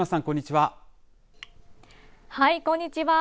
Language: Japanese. はい、こんにちは。